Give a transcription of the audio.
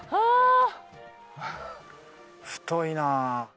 太いな。